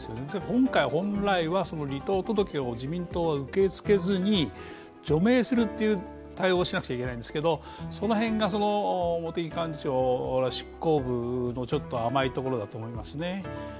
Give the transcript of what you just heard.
今回、本来は離党届を自民党は受け付けず除名するという対応をしなければならなかったんですがその辺が茂木幹事長ら執行部のちょっと甘いところだと思いますね。